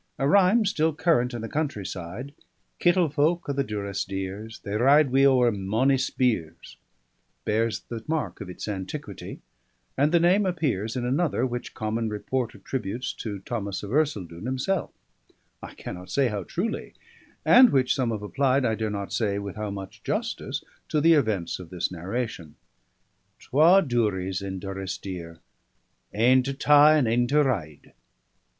A rhyme still current in the countryside "Kittle folk are the Durrisdeers, They ride wi' ower mony spears" bears the mark of its antiquity; and the name appears in another, which common report attributes to Thomas of Ercildoune himself I cannot say how truly, and which some have applied I dare not say with how much justice to the events of this narration: "Twa Duries in Durrisdeer, Ane to tie and ane to ride.